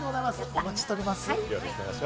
お待ちしています。